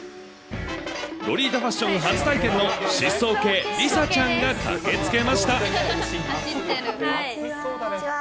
ロリータファッション初体験の疾走系、梨紗ちゃんが駆けつけましこんにちは。